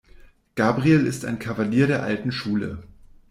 Gabriel ist ein Kavalier der alten Schule.